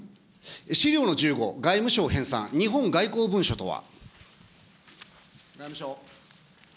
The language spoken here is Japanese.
資料の１５、外務省編さん、日本外交文書とは。